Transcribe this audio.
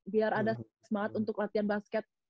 biar ada semangat untuk latihan basket